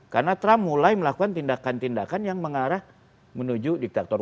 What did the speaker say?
karena trump mulai melakukan tindakan tindakan yang mengarah menuju diktator